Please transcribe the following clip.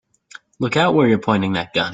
Look out where you're pointing that gun!